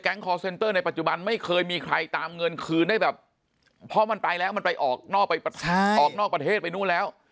คอร์เซ็นเตอร์ในปัจจุบันไม่เคยมีใครตามเงินคืนได้แบบเพราะมันไปแล้วมันไปออกนอกประเทศออกนอกประเทศไปนู่นแล้ว